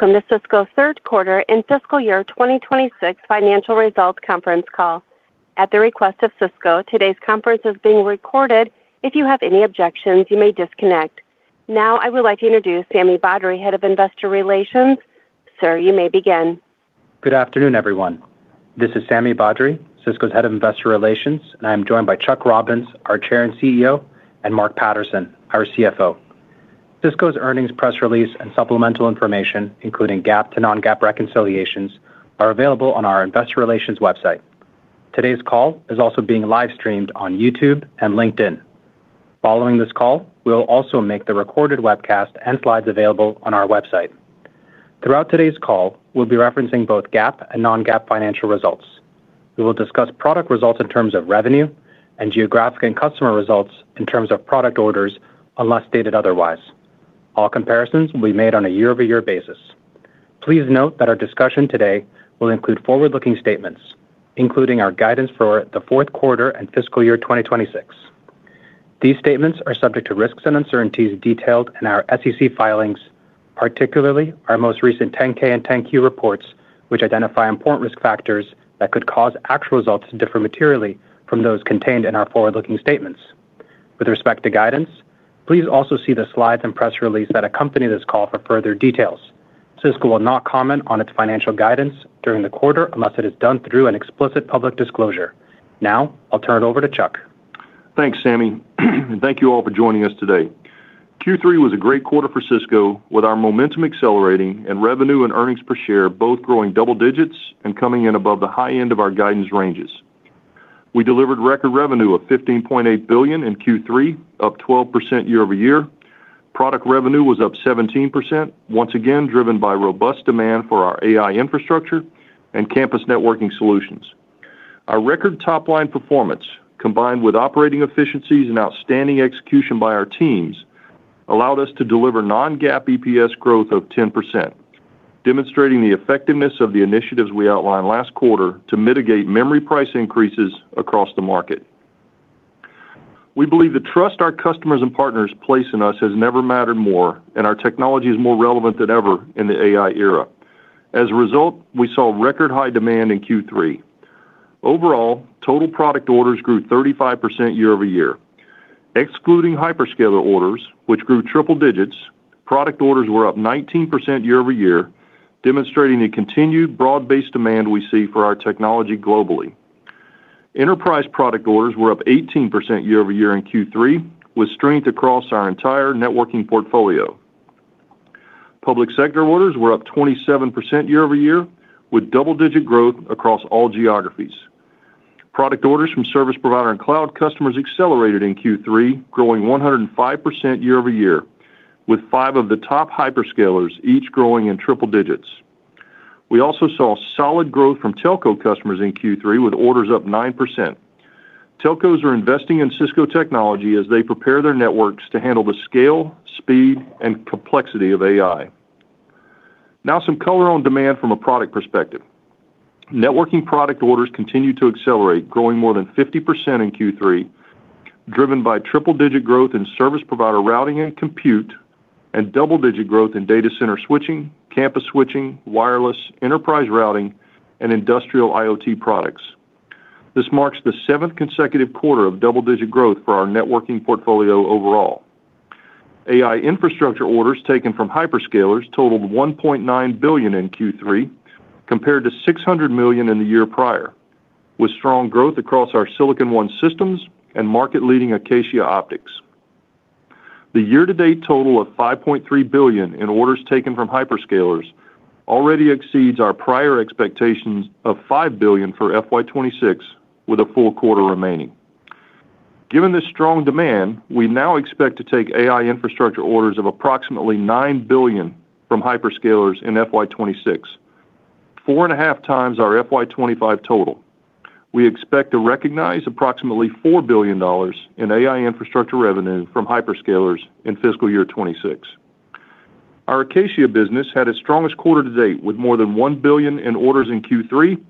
Welcome to Cisco third quarter and fiscal year 2026 financial results conference call. At the request of Cisco today's conference is being recorded. If you have any objection you may disconnect. Now, I would like to introduce Sami Badri, Head of Investor Relations. Sir, you may begin. Good afternoon, everyone. This is Sami Badri, Cisco's Head of Investor Relations, and I'm joined by Chuck Robbins, our Chair and CEO, and Mark Patterson, our CFO. Cisco's earnings press release and supplemental information, including GAAP to non-GAAP reconciliations, are available on our investor relations website. Today's call is also being live-streamed on YouTube and LinkedIn. Following this call, we'll also make the recorded webcast and slides available on our website. Throughout today's call, we'll be referencing both GAAP and non-GAAP financial results. We will discuss product results in terms of revenue and geographic and customer results in terms of product orders, unless stated otherwise. All comparisons will be made on a year-over-year basis. Please note that our discussion today will include forward-looking statements, including our guidance for the fourth quarter and fiscal year 2026. These statements are subject to risks and uncertainties detailed in our SEC filings, particularly our most recent 10-K and 10-Q reports, which identify important risk factors that could cause actual results to differ materially from those contained in our forward-looking statements. With respect to guidance, please also see the slides and press release that accompany this call for further details. Cisco will not comment on its financial guidance during the quarter unless it is done through an explicit public disclosure. Now, I'll turn it over to Chuck. Thanks, Sami. Thank you all for joining us today. Q3 was a great quarter for Cisco, with our momentum accelerating and revenue and earnings per share both growing double digits and coming in above the high end of our guidance ranges. We delivered record revenue of $15.8 billion in Q3, up 12% year-over-year. Product revenue was up 17%, once again driven by robust demand for our AI infrastructure and campus networking solutions. Our record top-line performance, combined with operating efficiencies and outstanding execution by our teams, allowed us to deliver non-GAAP EPS growth of 10%, demonstrating the effectiveness of the initiatives we outlined last quarter to mitigate memory price increases across the market. We believe the trust our customers and partners place in us has never mattered more, and our technology is more relevant than ever in the AI era. As a result, we saw record high demand in Q3. Total product orders grew 35% year-over-year. Excluding hyperscaler orders, which grew triple digits, product orders were up 19% year-over-year, demonstrating the continued broad-based demand we see for our technology globally. Enterprise product orders were up 18% year-over-year in Q3, with strength across our entire networking portfolio. Public sector orders were up 27% year-over-year, with double-digit growth across all geographies. Product orders from service provider and cloud customers accelerated in Q3, growing 105% year-over-year, with five of the top hyperscalers each growing in triple digits. We also saw solid growth from telco customers in Q3, with orders up 9%. Telcos are investing in Cisco technology as they prepare their networks to handle the scale, speed, and complexity of AI. Now some color on demand from a product perspective. Networking product orders continued to accelerate, growing more than 50% in Q3, driven by triple-digit growth in service provider routing and compute and double-digit growth in data center switching, campus switching, wireless, enterprise routing, and Industrial IoT products. This marks the seventh consecutive quarter of double-digit growth for our networking portfolio overall. AI infrastructure orders taken from hyperscalers totaled $1.9 billion in Q3, compared to $600 million in the year prior, with strong growth across our Silicon One systems and market-leading Acacia Optics. The year-to-date total of $5.3 billion in orders taken from hyperscalers already exceeds our prior expectations of $5 billion for FY 2026, with a full quarter remaining. Given this strong demand, we now expect to take AI infrastructure orders of approximately $9 billion from hyperscalers in FY 2026, 4.5x our FY 2025 total. We expect to recognize approximately $4 billion in AI infrastructure revenue from hyperscalers in fiscal year 2026. Our Acacia business had its strongest quarter to date, with more than $1 billion in orders in Q3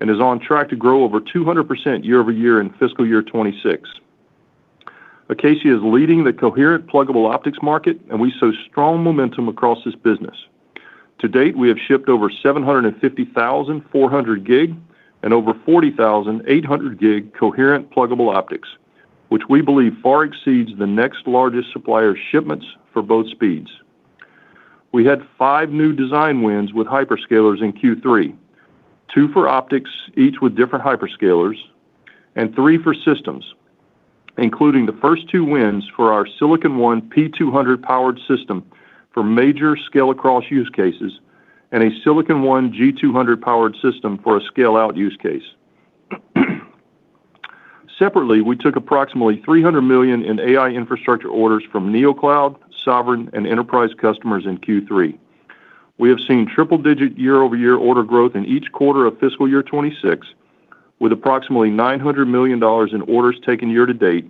and is on track to grow over 200% year-over-year in fiscal year 2026. Acacia is leading the coherent pluggable optics market, and we saw strong momentum across this business. To date, we have shipped over 750,000 400 gig and over 40,000 800 gig coherent pluggable optics, which we believe far exceeds the next largest supplier shipments for both speeds. We had five new design wins with hyperscalers in Q3, two for optics, each with different hyperscalers, and three for systems, including the first two wins for our Silicon One P200 powered system for major scale across use cases and a Silicon One G200 powered system for a scale-out use case. Separately, we took approximately $300 million in AI infrastructure orders from neocloud, sovereign, and enterprise customers in Q3. We have seen triple-digit year-over-year order growth in each quarter of fiscal year 2026, with approximately $900 million in orders taken year to date,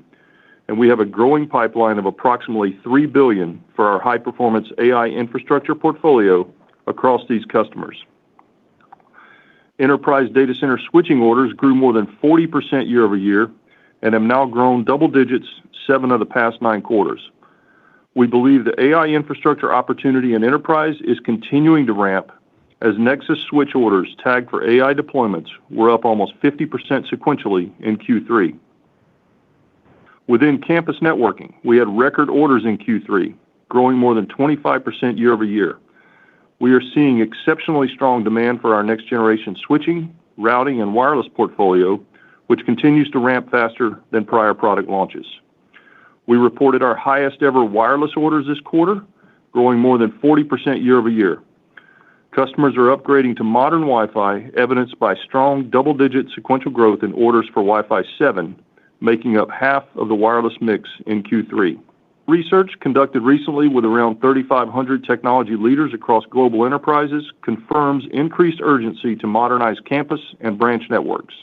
and we have a growing pipeline of approximately $3 billion for our high-performance AI infrastructure portfolio across these customers. Enterprise data center switching orders grew more than 40% year-over-year and have now grown double digits seven of the past nine quarters. We believe the AI infrastructure opportunity and enterprise is continuing to ramp as Nexus switch orders tagged for AI deployments were up almost 50% sequentially in Q3. Within campus networking, we had record orders in Q3, growing more than 25% year-over-year. We are seeing exceptionally strong demand for our next generation switching, routing, and wireless portfolio, which continues to ramp faster than prior product launches. We reported our highest ever wireless orders this quarter, growing more than 40% year-over-year. Customers are upgrading to modern Wi-Fi, evidenced by strong double-digit sequential growth in orders for Wi-Fi 7, making up 1/2 of the wireless mix in Q3. Research conducted recently with around 3,500 technology leaders across global enterprises confirms increased urgency to modernize campus and branch networks.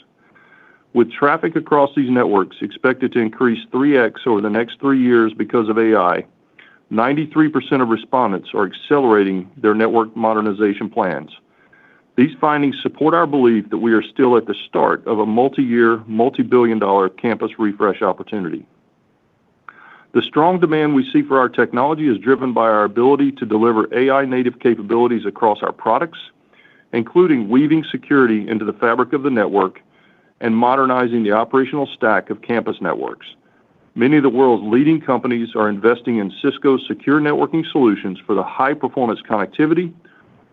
With traffic across these networks expected to increase 3x over the next three years because of AI, 93% of respondents are accelerating their network modernization plans. These findings support our belief that we are still at the start of a multi-year, multi-billion-dollar campus refresh opportunity. The strong demand we see for our technology is driven by our ability to deliver AI-native capabilities across our products, including weaving security into the fabric of the network and modernizing the operational stack of campus networks. Many of the world's leading companies are investing in Cisco secure networking solutions for the high-performance connectivity,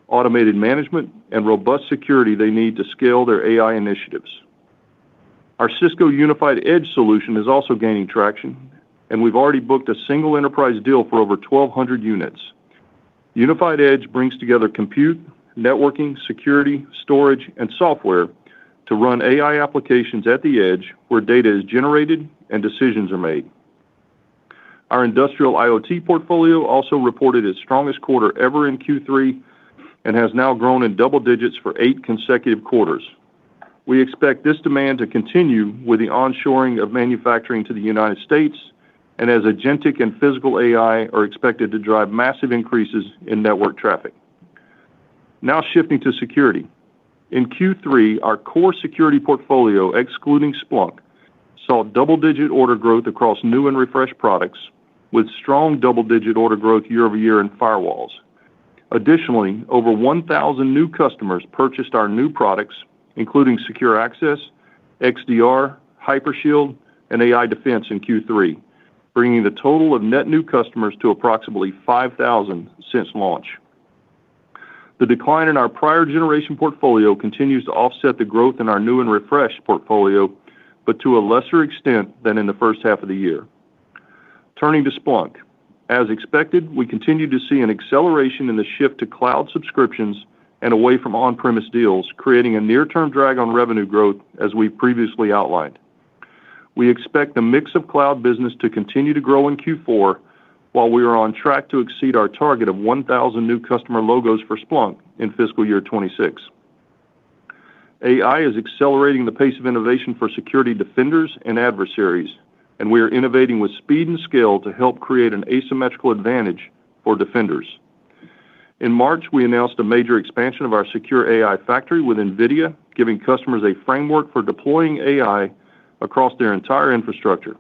automated management, and robust security they need to scale their AI initiatives. Our Cisco Unified Edge solution is also gaining traction, and we've already booked a single enterprise deal for over 1,200 units. Unified Edge brings together compute, networking, security, storage, and software to run AI applications at the edge where data is generated and decisions are made. Our Industrial IoT portfolio also reported its strongest quarter ever in Q3 and has now grown in double digits for eight consecutive quarters. We expect this demand to continue with the onshoring of manufacturing to the United States and as agentic and physical AI are expected to drive massive increases in network traffic. Shifting to security. In Q3, our core security portfolio, excluding Splunk, saw double-digit order growth across new and refreshed products with strong double-digit order growth year-over-year in firewalls. Additionally, over 1,000 new customers purchased our new products, including Secure Access, XDR, Hypershield, and AI Defense in Q3, bringing the total of net new customers to approximately 5,000 since launch. The decline in our prior generation portfolio continues to offset the growth in our new and refreshed portfolio, but to a lesser extent than in the first half of the year. Turning to Splunk, as expected, we continue to see an acceleration in the shift to cloud subscriptions and away from on-premise deals, creating a near-term drag on revenue growth as we previously outlined. We expect the mix of cloud business to continue to grow in Q4 while we are on track to exceed our target of 1,000 new customer logos for Splunk in fiscal year 2026. AI is accelerating the pace of innovation for security defenders and adversaries, we are innovating with speed and skill to help create an asymmetrical advantage for defenders. In March, we announced a major expansion of our secure AI factory with NVIDIA, giving customers a framework for deploying AI across their entire infrastructure,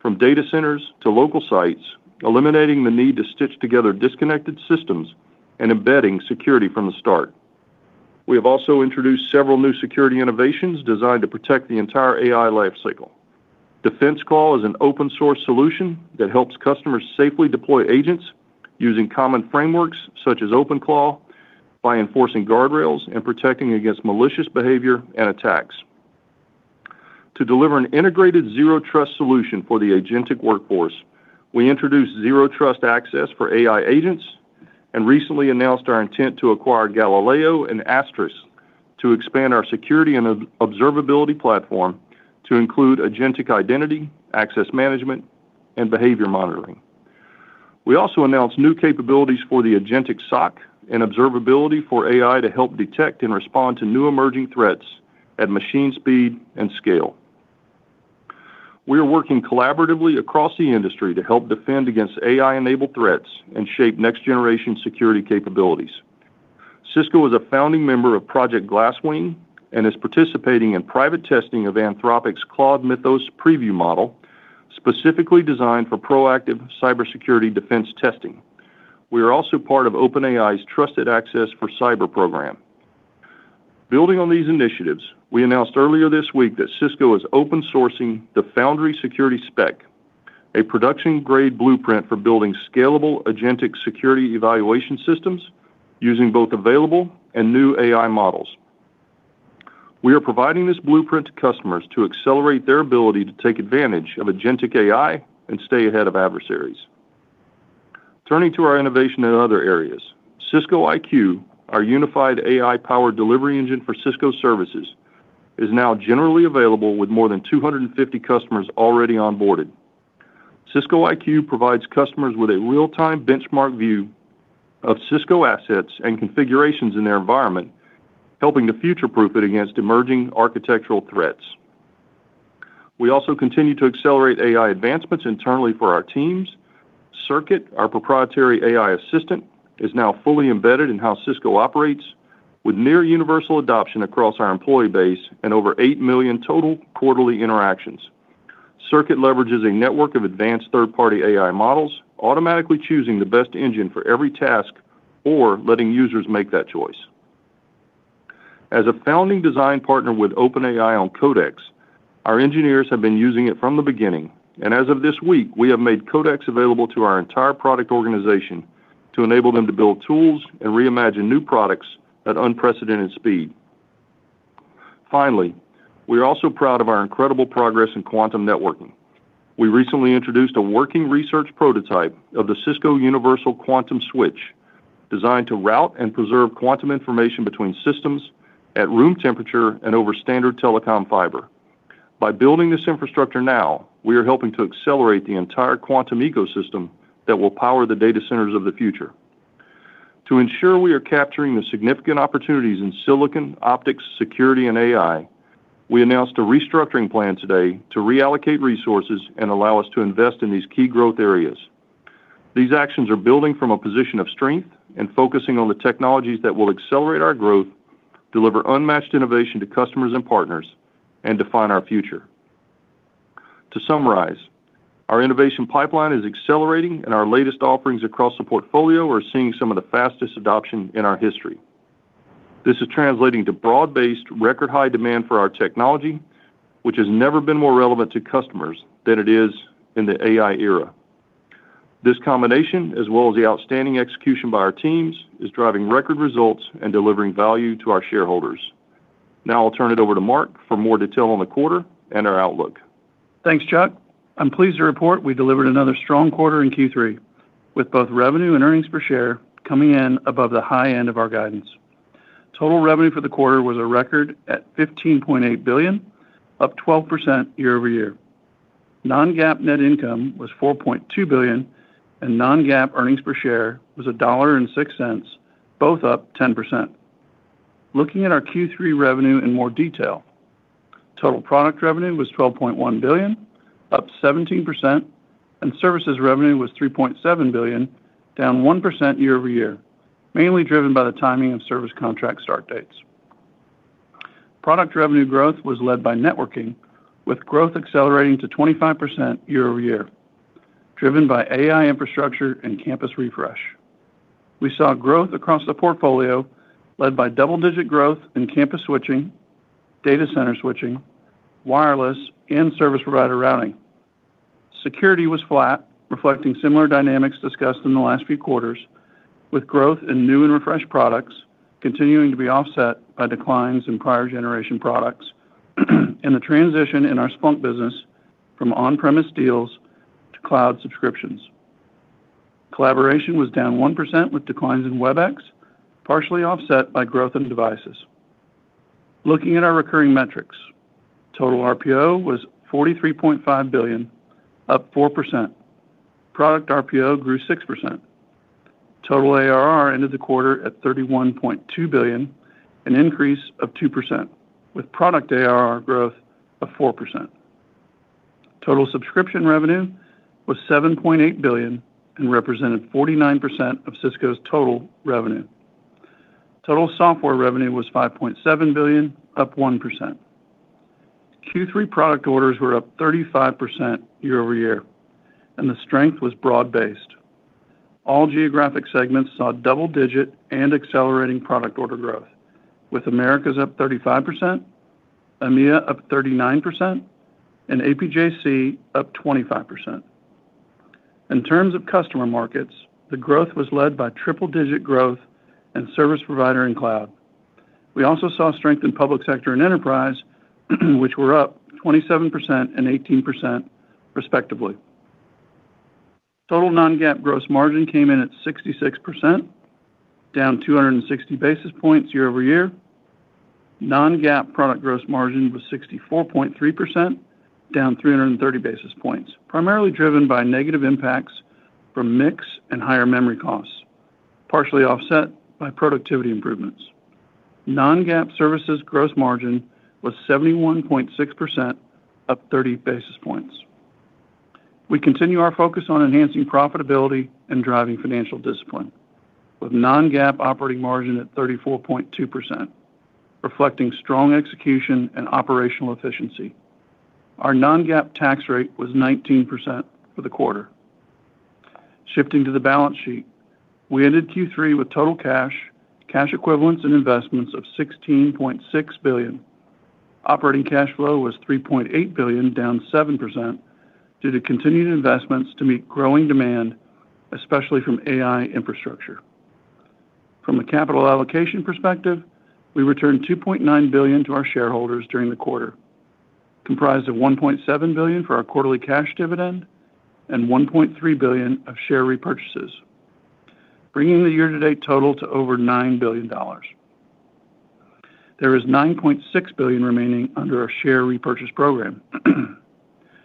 from data centers to local sites, eliminating the need to stitch together disconnected systems and embedding security from the start. We have also introduced several new security innovations designed to protect the entire AI life cycle. DefenseClaw is an open source solution that helps customers safely deploy agents using common frameworks such as OpenClaw by enforcing guardrails and protecting against malicious behavior and attacks. To deliver an integrated Zero Trust solution for the agentic workforce, we introduced Zero Trust access for AI agents and recently announced our intent to acquire Galileo and Astrix to expand our security and observability platform to include agentic identity, access management, and behavior monitoring. We also announced new capabilities for the agentic SOC and observability for AI to help detect and respond to new emerging threats at machine speed and scale. We are working collaboratively across the industry to help defend against AI-enabled threats and shape next-generation security capabilities. Cisco is a founding member of Project Glasswing and is participating in private testing of Anthropic's Claude Mythos Preview model, specifically designed for proactive cybersecurity defense testing. We are also part of OpenAI's Trusted Access for Cyber Program. Building on these initiatives, we announced earlier this week that Cisco is open sourcing the Foundry Security Spec, a production-grade blueprint for building scalable agentic security evaluation systems using both available and new AI models. We are providing this blueprint to customers to accelerate their ability to take advantage of agentic AI and stay ahead of adversaries. Turning to our innovation in other areas. Cisco IQ, our unified AI-powered delivery engine for Cisco services, is now generally available with more than 250 customers already onboarded. Cisco IQ provides customers with a real-time benchmark view of Cisco assets and configurations in their environment, helping to future-proof it against emerging architectural threats. We also continue to accelerate AI advancements internally for our teams. Circuit, our proprietary AI assistant, is now fully embedded in how Cisco operates with near universal adoption across our employee base and over 8 million total quarterly interactions. Circuit leverages a network of advanced third-party AI models, automatically choosing the best engine for every task or letting users make that choice. As a founding design partner with OpenAI on Codex, our engineers have been using it from the beginning, as of this week, we have made Codex available to our entire product organization to enable them to build tools and reimagine new products at unprecedented speed. We are also proud of our incredible progress in quantum networking. We recently introduced a working research prototype of the Cisco Universal Quantum Switch, designed to route and preserve quantum information between systems at room temperature and over standard telecom fiber. By building this infrastructure now, we are helping to accelerate the entire quantum ecosystem that will power the data centers of the future. To ensure we are capturing the significant opportunities in silicon, optics, security, and AI, we announced a restructuring plan today to reallocate resources and allow us to invest in these key growth areas. These actions are building from a position of strength and focusing on the technologies that will accelerate our growth, deliver unmatched innovation to customers and partners, and define our future. To summarize, our innovation pipeline is accelerating, and our latest offerings across the portfolio are seeing some of the fastest adoption in our history. This is translating to broad-based record-high demand for our technology, which has never been more relevant to customers than it is in the AI era. This combination, as well as the outstanding execution by our teams, is driving record results and delivering value to our shareholders. Now I'll turn it over to Mark for more detail on the quarter and our outlook. Thanks, Chuck. I'm pleased to report we delivered another strong quarter in Q3, with both revenue and earnings per share coming in above the high end of our guidance. Total revenue for the quarter was a record at $15.8 billion, up 12% year-over-year. Non-GAAP net income was $4.2 billion, and non-GAAP earnings per share was $1.06, both up 10%. Looking at our Q3 revenue in more detail, total product revenue was $12.1 billion, up 17%, and services revenue was $3.7 billion, down 1% year-over-year, mainly driven by the timing of service contract start dates. Product revenue growth was led by networking with growth accelerating to 25% year-over-year, driven by AI infrastructure and campus refresh. We saw growth across the portfolio led by double-digit growth in campus switching, data center switching, wireless, and service provider routing. Security was flat, reflecting similar dynamics discussed in the last few quarters, with growth in new and refreshed products continuing to be offset by declines in prior generation products, and the transition in our Splunk business from on-premise deals to cloud subscriptions. Collaboration was down 1% with declines in Webex, partially offset by growth in devices. Looking at our recurring metrics, total RPO was $43.5 billion, up 4%. Product RPO grew 6%. Total ARR ended the quarter at $31.2 billion, an increase of 2%, with product ARR growth of 4%. Total subscription revenue was $7.8 billion and represented 49% of Cisco's total revenue. Total software revenue was $5.7 billion, up 1%. Q3 product orders were up 35% year-over-year, and the strength was broad-based. All geographic segments saw double-digit and accelerating product order growth, with Americas up 35%, EMEA up 39%, and APJC up 25%. In terms of customer markets, the growth was led by triple-digit growth and service provider in cloud. We also saw strength in public sector and enterprise, which were up 27% and 18% respectively. Total non-GAAP gross margin came in at 66%, down 260 basis points year-over-year. Non-GAAP product gross margin was 64.3%, down 330 basis points, primarily driven by negative impacts from mix and higher memory costs, partially offset by productivity improvements. Non-GAAP services gross margin was 71.6%, up 30 basis points. We continue our focus on enhancing profitability and driving financial discipline, with non-GAAP operating margin at 34.2%, reflecting strong execution and operational efficiency. Our non-GAAP tax rate was 19% for the quarter. Shifting to the balance sheet, we ended Q3 with total cash equivalents, and investments of $16.6 billion. Operating cash flow was $3.8 billion, down 7%, due to continued investments to meet growing demand, especially from AI infrastructure. From a capital allocation perspective, we returned $2.9 billion to our shareholders during the quarter, comprised of $1.7 billion for our quarterly cash dividend and $1.3 billion of share repurchases, bringing the year-to-date total to over $9 billion. There is $9.6 billion remaining under our share repurchase program.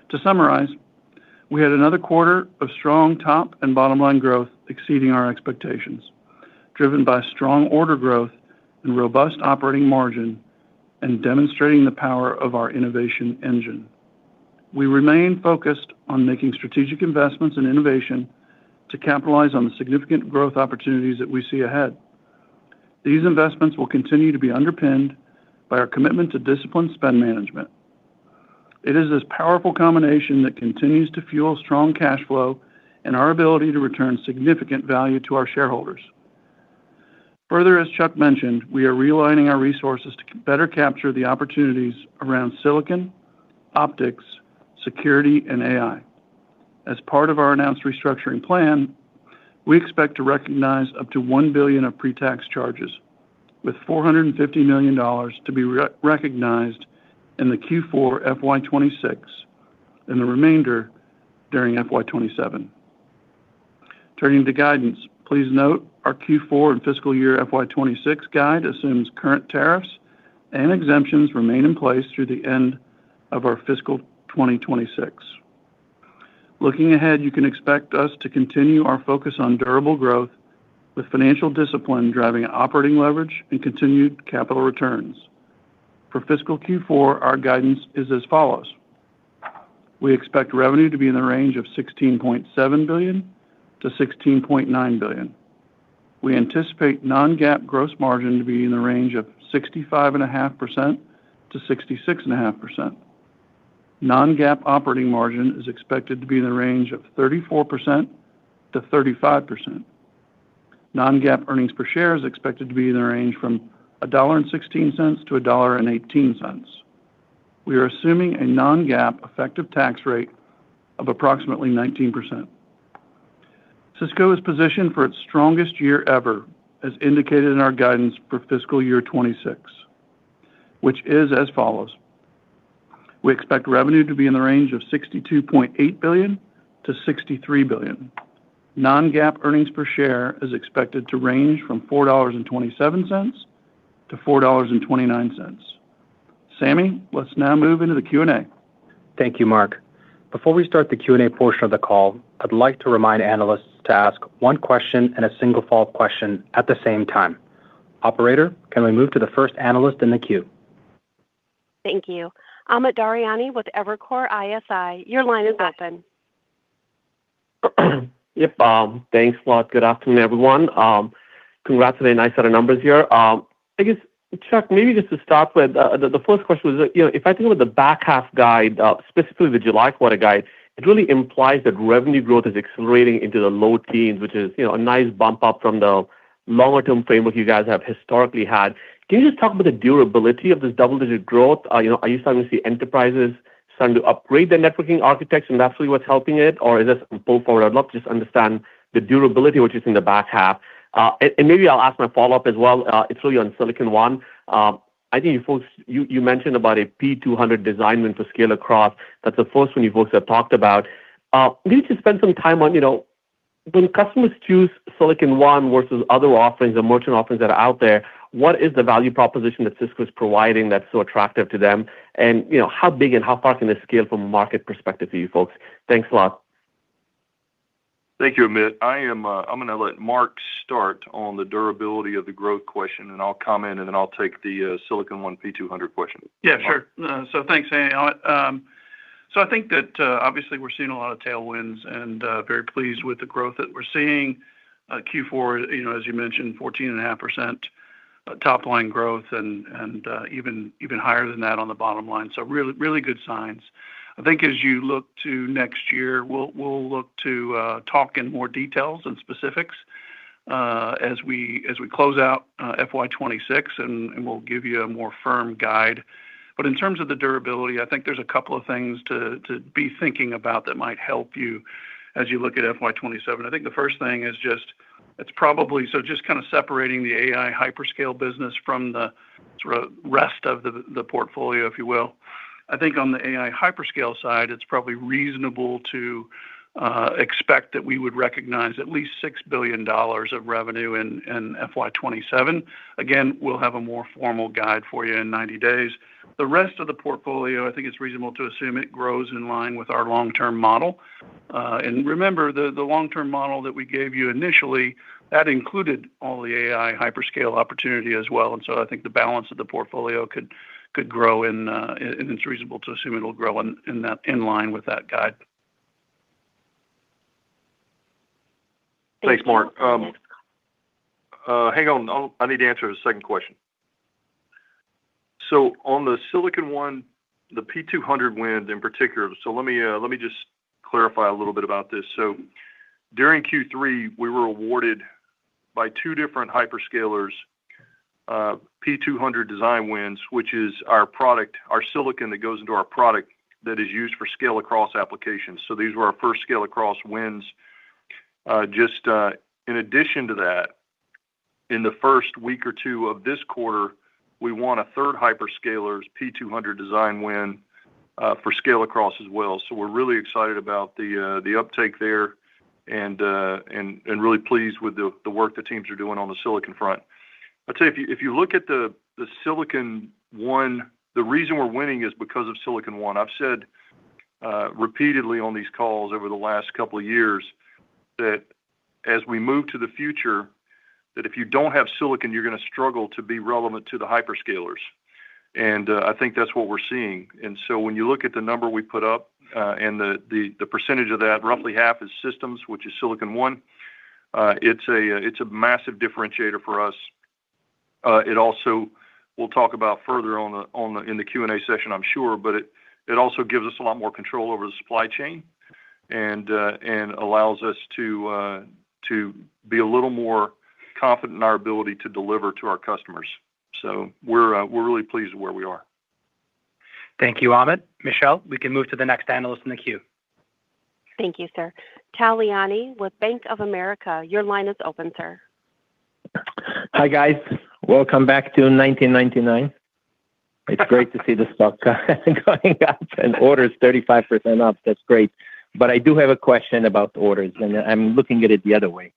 To summarize, we had another quarter of strong top and bottom line growth exceeding our expectations, driven by strong order growth and robust operating margin, and demonstrating the power of our innovation engine. We remain focused on making strategic investments in innovation to capitalize on the significant growth opportunities that we see ahead. These investments will continue to be underpinned by our commitment to disciplined spend management. It is this powerful combination that continues to fuel strong cash flow and our ability to return significant value to our shareholders. As Chuck mentioned, we are realigning our resources to better capture the opportunities around silicon, optics, security, and AI. As part of our announced restructuring plan, we expect to recognize up to $1 billion of pre-tax charges, with $450 million to be re-recognized in the Q4 FY 2026 and the remainder during FY 2027. Turning to guidance. Please note our Q4 and fiscal year FY 2026 guide assumes current tariffs and exemptions remain in place through the end of our fiscal 2026. Looking ahead, you can expect us to continue our focus on durable growth with financial discipline driving operating leverage and continued capital returns. For fiscal Q4, our guidance is as follows: We expect revenue to be in the range of $16.7 billion-$16.9 billion. We anticipate non-GAAP gross margin to be in the range of 65.5%-66.5%. Non-GAAP operating margin is expected to be in the range of 34%-35%. Non-GAAP earnings per share is expected to be in the range from $1.16-$1.18. We are assuming a non-GAAP effective tax rate of approximately 19%. Cisco is positioned for its strongest year ever, as indicated in our guidance for fiscal year 2026, which is as follows: We expect revenue to be in the range of $62.8 billion-$63 billion. Non-GAAP earnings per share is expected to range from $4.27-$4.29. Sami, let's now move into the Q&A. Thank you, Mark. Before we start the Q&A portion of the call, I'd like to remind analysts to ask one question and a single follow-up question at the same time. Operator, can we move to the first analyst in the queue? Thank you. Amit Daryanani with Evercore ISI, your line is open. Yep. Thanks a lot. Good afternoon, everyone. Congrats on a nice set of numbers here. I guess, Chuck, maybe just to start with, the first question was, you know, if I think about the back half guide, specifically the July quarter guide, it really implies that revenue growth is accelerating into the low teens, which is, you know, a nice bump up from the longer-term framework you guys have historically had. Can you just talk about the durability of this double-digit growth? You know, are you starting to see enterprises starting to upgrade their networking architects, and that's really what's helping it? Or is this pull forward? I'd love to just understand the durability, which is in the back half. Maybe I'll ask my follow-up as well. It's really on Silicon One. You mentioned about a P200 design win for scale across. That's the first one you folks have talked about. Maybe just spend some time on, you know, when customers choose Silicon One versus other offerings or merchant offerings that are out there, what is the value proposition that Cisco is providing that's so attractive to them? You know, how big and how fast can this scale from a market perspective for you folks? Thanks a lot. Thank you, Amit. I'm gonna let Mark start on the durability of the growth question, and I'll comment, and then I'll take the Silicon One P200 question. Yeah, sure. Thanks, Amit Daryanani. I think that, obviously we're seeing a lot of tailwinds and, very pleased with the growth that we're seeing. Q4, you know, as you mentioned, 14.5% top line growth and, even higher than that on the bottom line. Really good signs. I think as you look to next year, we'll look to talk in more details and specifics as we close out FY 2026, and we'll give you a more firm guide. In terms of the durability, I think there's a couple of things to be thinking about that might help you as you look at FY 2027. I think the first thing is, it's probably just separating the AI hyperscale business from the rest of the portfolio, if you will. I think on the AI hyperscale side, it's probably reasonable to expect that we would recognize at least $6 billion of revenue in FY 2027. Again, we'll have a more formal guide for you in 90 days. The rest of the portfolio, I think it's reasonable to assume it grows in line with our long-term model. Remember, the long-term model that we gave you initially, that included all the AI hyperscale opportunity as well. I think the balance of the portfolio could grow, and it's reasonable to assume it'll grow in line with that guide. Thank you. Thanks, Mark. Hang on. I need to answer the second question. On the Silicon One, the P200 win in particular, let me just clarify a little bit about this. During Q3, we were awarded by two different hyperscalers, P200 design wins, which is our product, our silicon that goes into our product that is used for scale across applications. These were our first scale across wins. In addition to that, in the first week or two of this quarter, we won a third hyperscaler's P200 design win, for scale across as well. We're really excited about the uptake there. Really pleased with the work the teams are doing on the Silicon One front. I'll tell you, if you look at the Silicon One, the reason we're winning is because of Silicon One. I've said repeatedly on these calls over the last couple of years that as we move to the future, that if you don't have silicon, you're gonna struggle to be relevant to the hyperscalers. I think that's what we're seeing. When you look at the number we put up, and the percentage of that, roughly half is systems, which is Silicon One. It's a massive differentiator for us. We'll talk about further on the Q&A session, I'm sure, but it also gives us a lot more control over the supply chain and allows us to be a little more confident in our ability to deliver to our customers. We're really pleased with where we are. Thank you, Amit. Michelle, we can move to the next analyst in the queue. Thank you, sir. Tal Liani with Bank of America, your line is open, sir. Hi, guys. Welcome back to 1999. It's great to see the stock going up and orders 35% up. That's great. I do have a question about the orders, and I'm looking at it the other way.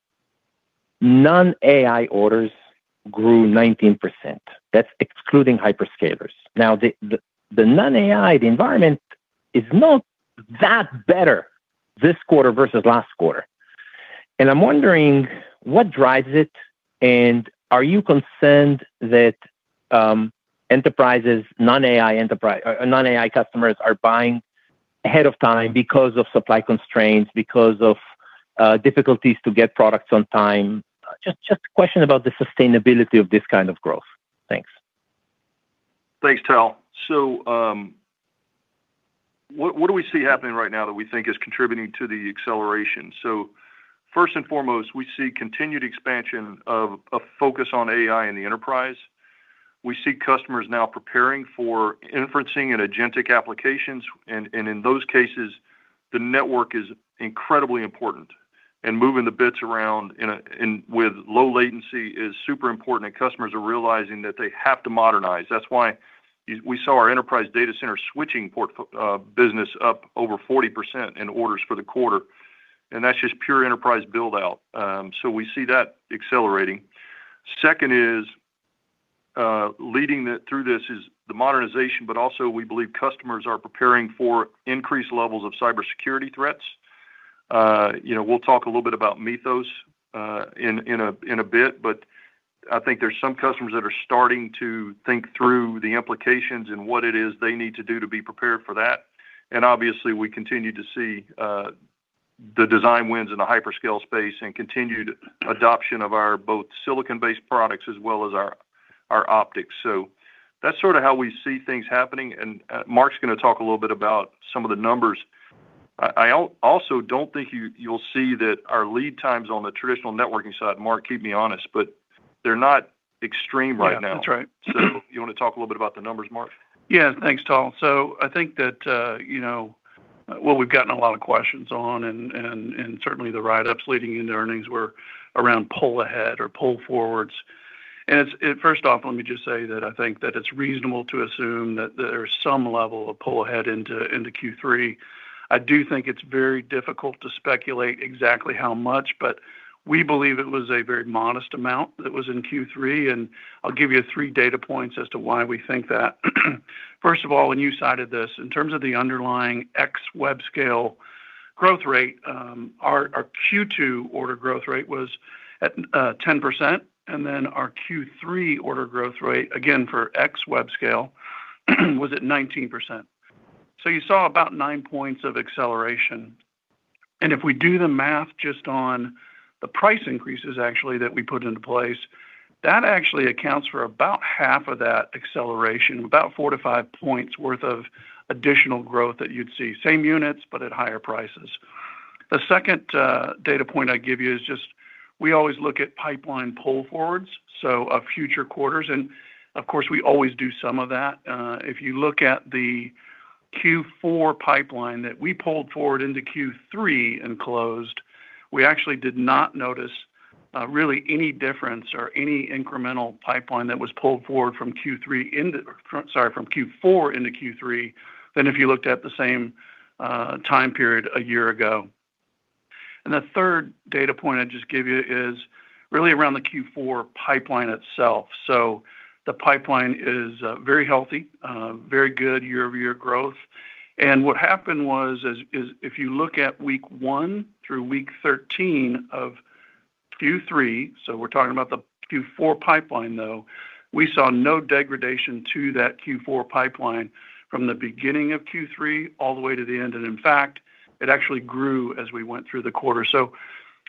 Non-AI orders grew 19%. That's excluding hyperscalers. The non-AI environment is not that better this quarter versus last quarter. I'm wondering what drives it, and are you concerned that enterprises, non-AI customers are buying ahead of time because of supply constraints, because of difficulties to get products on time? Just a question about the sustainability of this kind of growth. Thanks. Thanks, Tal. What do we see happening right now that we think is contributing to the acceleration? First and foremost, we see continued expansion of focus on AI in the enterprise. We see customers now preparing for inferencing and agentic applications. In those cases, the network is incredibly important, and moving the bits around with low latency is super important, and customers are realizing that they have to modernize. That's why we saw our enterprise data center switching portfolio business up over 40% in orders for the quarter, and that's just pure enterprise build-out. We see that accelerating. Second is leading through this is the modernization, also we believe customers are preparing for increased levels of cybersecurity threats. You know, we'll talk a little bit about Mythos in a bit, I think there's some customers that are starting to think through the implications and what it is they need to do to be prepared for that. Obviously, we continue to see the design wins in the hyperscale space and continued adoption of our both silicon-based products as well as our optics. That's sort of how we see things happening, and Mark's gonna talk a little bit about some of the numbers. I also don't think you'll see that our lead times on the traditional networking side, Mark, keep me honest, but they're not extreme right now. Yeah, that's right. You wanna talk a little bit about the numbers, Mark? Yeah. Thanks, Tal. I think that, you know, what we've gotten a lot of questions on and certainly the write-ups leading into earnings were around pull ahead or pull forwards. First off, let me just say that I think that it's reasonable to assume that there's some level of pull ahead into Q3. I do think it's very difficult to speculate exactly how much, but we believe it was a very modest amount that was in Q3, and I'll give you 3 data points as to why we think that. First of all, and you cited this, in terms of the underlying ex web scale growth rate, our Q2 order growth rate was at 10%, and then our Q3 order growth rate, again, for ex web scale, was at 19%. You saw about 9 points of acceleration. If we do the math just on the price increases actually that we put into place, that actually accounts for about half of that acceleration, about 4 to 5 points worth of additional growth that you'd see. Same units, but at higher prices. The second data point I'd give you is just we always look at pipeline pull forwards, so of future quarters. Of course, we always do some of that. If you look at the Q4 pipeline that we pulled forward into Q3 and closed, we actually did not notice really any difference or any incremental pipeline that was pulled forward from Q4 into Q3 than if you looked at the same time period a year ago. The third data point I'd just give you is really around the Q4 pipeline itself. The pipeline is very healthy, very good year-over-year growth. What happened was if you look at week one through week 13 of Q3, we're talking about the Q4 pipeline, though, we saw no degradation to that Q4 pipeline from the beginning of Q3 all the way to the end. In fact, it actually grew as we went through the quarter.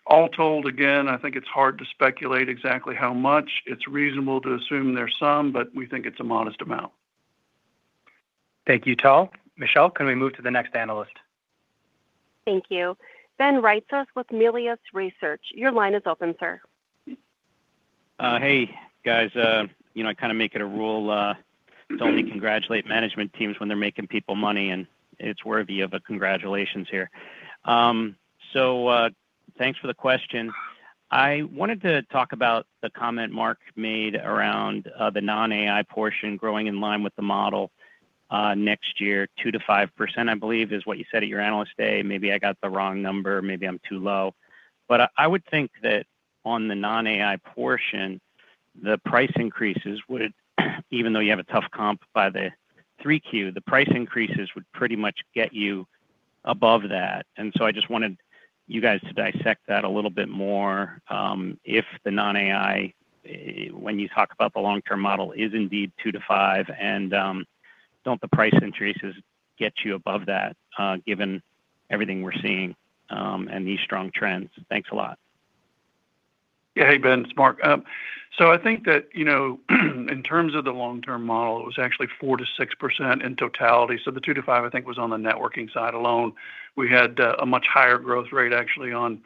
All told, again, I think it's hard to speculate exactly how much. It's reasonable to assume there's some, but we think it's a modest amount. Thank you, Tal. Michelle, can we move to the next analyst? Thank you. Ben Reitzes with Melius Research. Your line is open, sir. Hey, guys. You know, I kind of make it a rule to only congratulate management teams when they're making people money, and it's worthy of a congratulations here. Thanks for the question. I wanted to talk about the comment Mark made around the non-AI portion growing in line with the model next year. 2%-5%, I believe, is what you said at your Analyst Day. Maybe I got the wrong number, maybe I'm too low. I would think that on the non-AI portion, the price increases would, even though you have a tough comp by the 3Q, the price increases would pretty much get you above that. I just wanted you guys to dissect that a little bit more, if the non-AI, when you talk about the long-term model, is indeed 2%-5% and, don't the price increases get you above that, given everything we're seeing, and these strong trends? Thanks a lot. Yeah. Hey, Ben, it's Mark. I think that, you know, in terms of the long-term model, it was actually 4%-6% in totality. The 2%-5%, I think, was on the networking side alone. We had a much higher growth rate actually on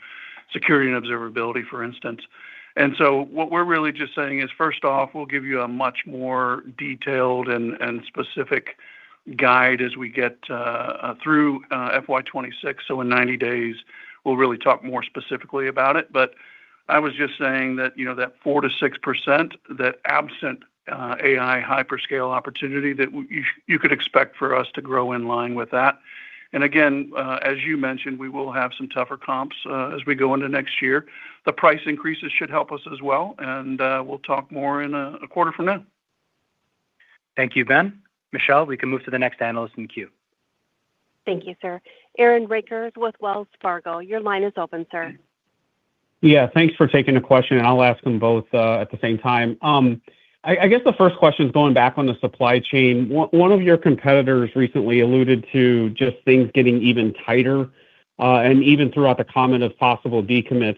security and observability, for instance. What we're really just saying is, first off, we'll give you a much more detailed and specific guide as we get through FY 2026. In 90 days, we'll really talk more specifically about it. I was just saying that, you know, that 4%-6%, that absent AI hyperscale opportunity that you could expect for us to grow in line with that. Again, as you mentioned, we will have some tougher comps as we go into next year. The price increases should help us as well, and we'll talk more in a quarter from now. Thank you, Ben. Michelle, we can move to the next analyst in queue. Thank you, sir. Aaron Rakers with Wells Fargo, your line is open, sir. Yeah. Thanks for taking the question, and I'll ask them both, at the same time. I guess the first question is going back on the supply chain. One of your competitors recently alluded to just things getting even tighter, and even throughout the comment of possible decommit.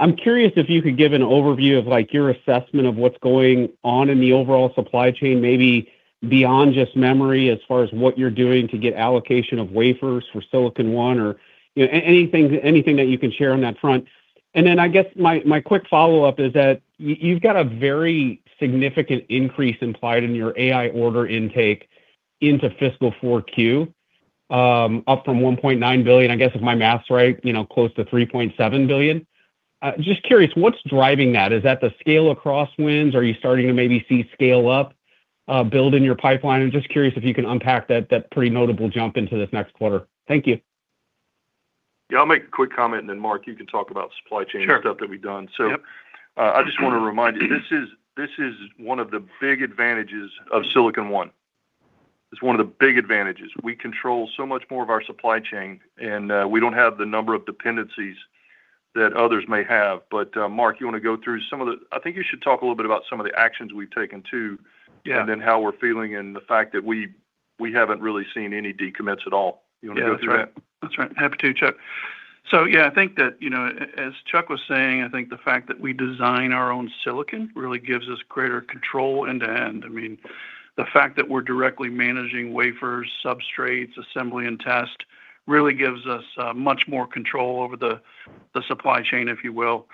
I'm curious if you could give an overview of, like, your assessment of what's going on in the overall supply chain, maybe beyond just memory as far as what you're doing to get allocation of wafers for Silicon One or, you know, anything that you can share on that front. I guess my quick follow-up is that you've got a very significant increase implied in your AI order intake into fiscal 4Q, up from $1.9 billion, I guess, if my math's right, you know, close to $3.7 billion. Just curious, what's driving that? Is that the scale across wins? Are you starting to maybe see scale up, build in your pipeline? I'm just curious if you can unpack that pretty notable jump into this next quarter. Thank you. Yeah. I'll make a quick comment, and then Mark, you can talk about supply chain. Sure Stuff that we've done. Yep. I just wanna remind you, this is one of the big advantages of Silicon One. It's one of the big advantages. We control so much more of our supply chain, and we don't have the number of dependencies that others may have. Mark, I think you should talk a little bit about some of the actions we've taken. Yeah How we're feeling and the fact that we haven't really seen any decommits at all. You wanna go through that? That's right. Happy to, Chuck. I think that, you know, as Chuck was saying, I think the fact that we design our own silicon really gives us greater control end-to-end. I mean, the fact that we're directly managing wafers, substrates, assembly, and test really gives us much more control over the supply chain, if you will.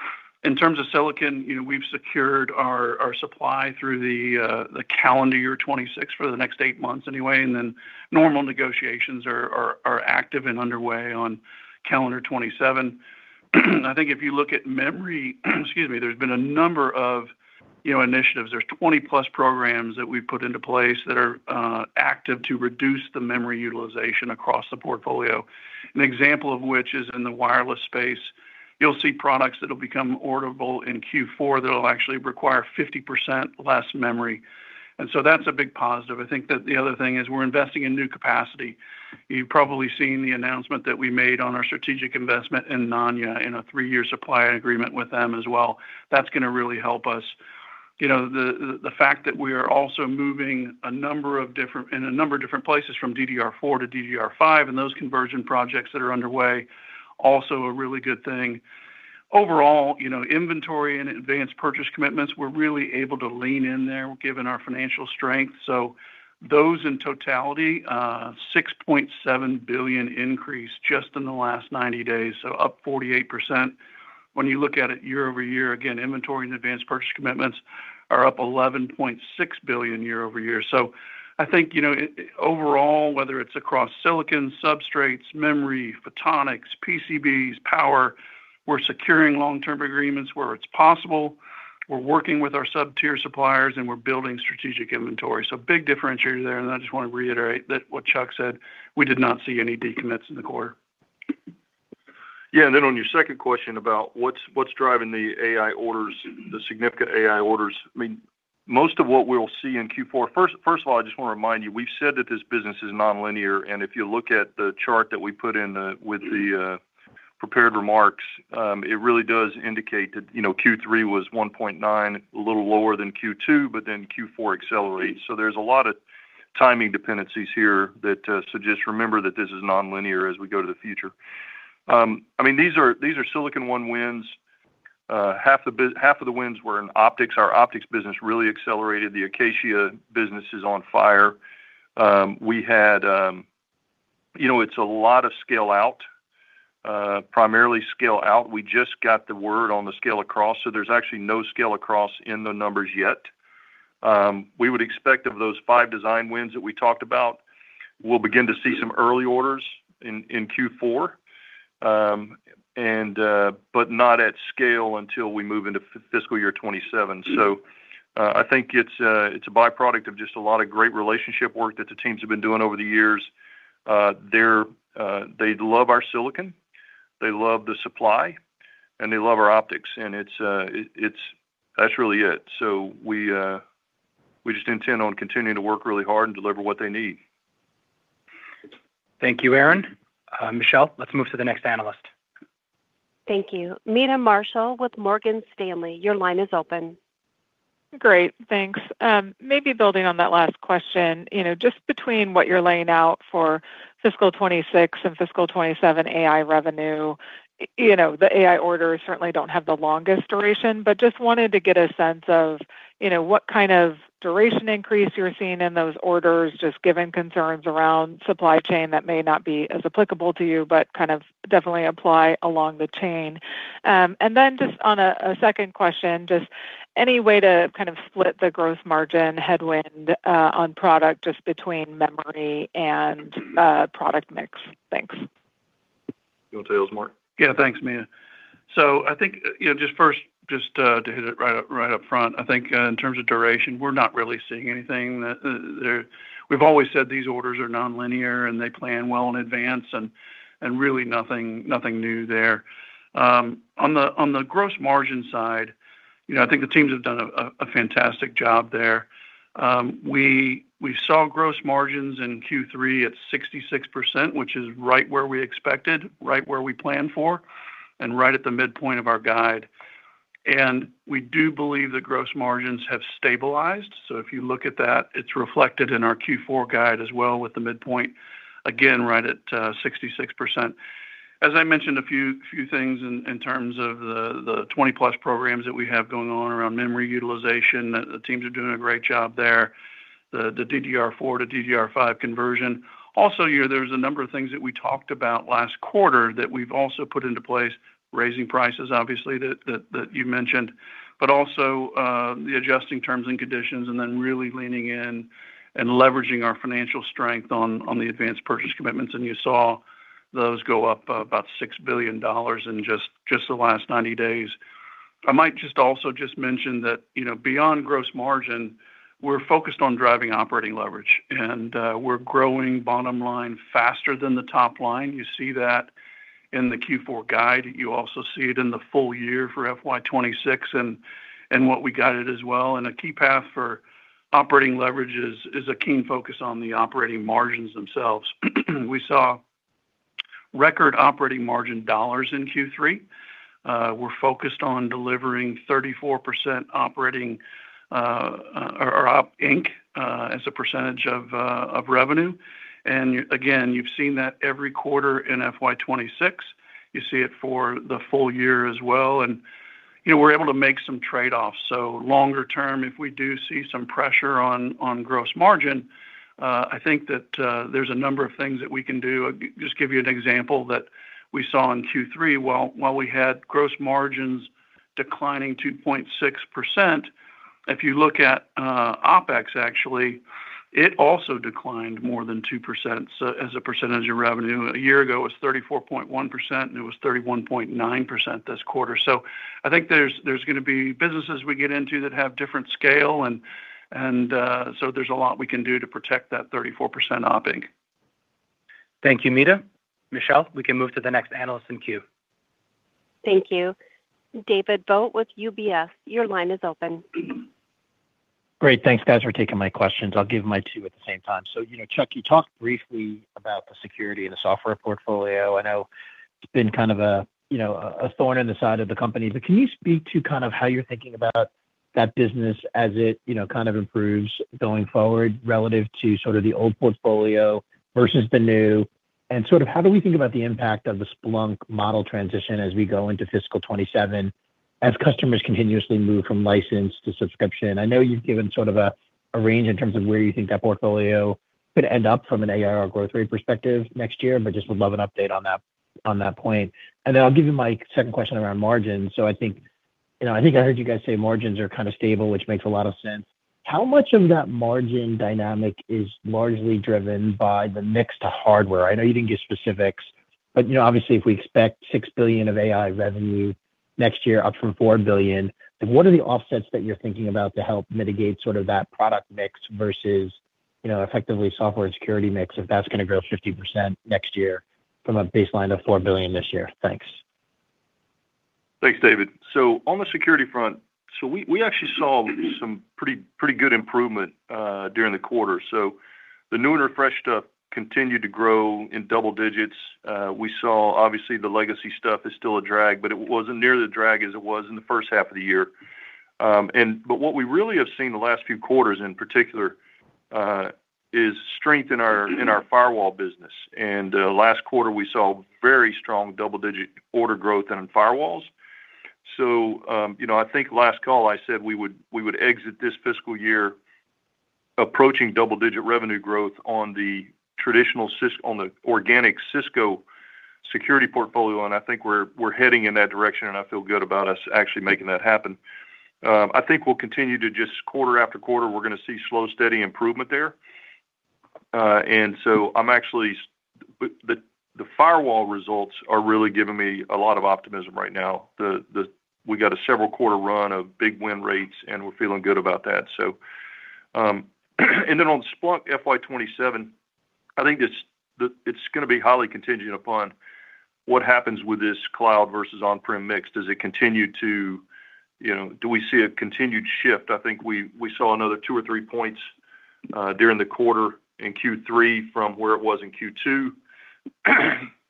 In terms of silicon, you know, we've secured our supply through the calendar year 2026 for the next eight months anyway. Normal negotiations are active and underway on calendar 2027. I think if you look at memory, excuse me, there's been a number of, you know, initiatives. There's 20+ programs that we've put into place that are active to reduce the memory utilization across the portfolio. An example of which is in the wireless space. You'll see products that'll become orderable in Q4 that'll actually require 50% less memory, and so that's a big positive. I think that the other thing is we're investing in new capacity. You've probably seen the announcement that we made on our strategic investment in Nanya in a three-year supply agreement with them as well. That's gonna really help us. You know, the fact that we are also moving a number of different places from DDR4 to DDR5 and those conversion projects that are underway, also a really good thing. Overall, you know, inventory and advanced purchase commitments, we're really able to lean in there given our financial strength. Those in totality, a $6.7 billion increase just in the last 90 days, so up 48%. When you look at it year-over-year, again, inventory and advanced purchase commitments are up $11.6 billion year-over-year. I think, you know, overall, whether it's across silicon, substrates, memory, photonics, PCBs, power, we're securing long-term agreements where it's possible. We're working with our sub-tier suppliers, and we're building strategic inventory. Big differentiator there, and I just wanna reiterate that what Chuck said, we did not see any decommits in the quarter. Yeah. On your second question about what's driving the AI orders, the significant AI orders, I mean, most of what we'll see in Q4 First of all, I just wanna remind you, we've said that this business is nonlinear, and if you look at the chart that we put in the, with the prepared remarks, it really does indicate that, you know, Q3 was 1.9, a little lower than Q2, but then Q4 accelerates. There's a lot of timing dependencies here that, so just remember that this is nonlinear as we go to the future. I mean, these are Silicon One wins. Half of the wins were in optics. Our optics business really accelerated. The Acacia business is on fire. You know, it's a lot of scale out, primarily scale out. We just got the word on the scale across, so there's actually no scale across in the numbers yet. We would expect of those five design wins that we talked about, we'll begin to see some early orders in Q4. But not at scale until we move into fiscal year 2027. I think it's a by-product of just a lot of great relationship work that the teams have been doing over the years. They're, they love our silicon, they love the supply, and they love our optics, and that's really it. We just intend on continuing to work really hard and deliver what they need. Thank you, Aaron. Michelle, let's move to the next analyst. Thank you. Meta Marshall with Morgan Stanley, your line is open. Great, thanks. Maybe building on that last question, you know, just between what you're laying out for fiscal 2026 and fiscal 2027 AI revenue, the AI orders certainly don't have the longest duration. Just wanted to get a sense of, you know, what kind of duration increase you're seeing in those orders, just given concerns around supply chain that may not be as applicable to you, but kind of definitely apply along the chain. Just on a second question, just any way to kind of split the gross margin headwind on product just between memory and product mix? Thanks. You want to take this, Mark? Thanks, Meta. I think, you know, just first, to hit it right up, right up front, I think, in terms of duration, we're not really seeing anything. We've always said these orders are nonlinear, and they plan well in advance, and really nothing new there. On the gross margin side, you know, I think the teams have done a fantastic job there. We saw gross margins in Q3 at 66%, which is right where we expected, right where we planned for, and right at the midpoint of our guide. We do believe the gross margins have stabilized. If you look at that, it's reflected in our Q4 guide as well with the midpoint, again, right at 66%. As I mentioned, a few things in terms of the 20+ programs that we have going on around memory utilization, the teams are doing a great job there. The DDR4 to DDR5 conversion. There's a number of things that we talked about last quarter that we've also put into place, raising prices, obviously, that you mentioned, but also the adjusting terms and conditions, and then really leaning in and leveraging our financial strength on the advanced purchase commitments. You saw those go up about $6 billion in just the last 90 days. I might just also just mention that, you know, beyond gross margin, we're focused on driving operating leverage, and we're growing bottom line faster than the top line. You see that in the Q4 guide. You also see it in the full year for FY 2026, and what we guided as well. A key path for operating leverage is a keen focus on the operating margins themselves. We saw record operating margin dollars in Q3. We're focused on delivering 34% operating or op inc as a % of revenue. Again, you've seen that every quarter in FY 2026. You see it for the full year as well. You know, we're able to make some trade-offs. Longer term, if we do see some pressure on gross margin, I think that there's a number of things that we can do. Just give you an example that we saw in Q3, while we had gross margins declining 2.6%, if you look at OpEx, actually, it also declined more than 2%. As a % of revenue a year ago, it was 34.1%, and it was 31.9% this quarter. I think there's gonna be businesses we get into that have different scale, and so there's a lot we can do to protect that 34% op inc. Thank you, Meta. Michelle, we can move to the next analyst in queue. Thank you. David Vogt with UBS, your line is open. Great. Thanks, guys, for taking my questions. I'll give my two at the same time. You know, Chuck, you talked briefly about the security and the software portfolio. I know it's been kind of a, you know, a thorn in the side of the company. Can you speak to kind of how you're thinking about that business as it, you know, kind of improves going forward relative to sort of the old portfolio versus the new? Sort of how do we think about the impact of the Splunk model transition as we go into fiscal 2027, as customers continuously move from licensed to subscription? I know you've given sort of a range in terms of where you think that portfolio could end up from an ARR growth rate perspective next year, but just would love an update on that, on that point. I'll give you my second question around margins. I think, you know, I think I heard you guys say margins are kind of stable, which makes a lot of sense. How much of that margin dynamic is largely driven by the mix to hardware? I know you didn't give specifics, but you know, obviously, if we expect $6 billion of AI revenue next year, up from $4 billion, like, what are the offsets that you're thinking about to help mitigate sort of that product mix versus, you know, effectively software and security mix, if that's gonna grow 50% next year from a baseline of $4 billion this year? Thanks. Thanks, David. On the security front, we actually saw some pretty good improvement during the quarter. The new and refreshed stuff continued to grow in double-digits. We saw, obviously, the legacy stuff is still a drag, but it wasn't near the drag as it was in the first half of the year. What we really have seen the last few quarters in particular, is strength in our firewall business. Last quarter, we saw very strong double-digit order growth in firewalls. You know, I think last call I said we would exit this fiscal year approaching double-digit revenue growth on the traditional Cisco on the organic Cisco security portfolio, and I think we're heading in that direction, and I feel good about us actually making that happen. I think we'll continue to just quarter after quarter, we're going to see slow, steady improvement there. I'm actually the firewall results are really giving me a lot of optimism right now. We got a several quarter run of big win rates, and we're feeling good about that. On Splunk FY 2027, I think it's going to be highly contingent upon what happens with this cloud versus on-prem mix. Does it continue to, you know, do we see a continued shift? I think we saw another 2 to 3 points during the quarter in Q3 from where it was in Q2.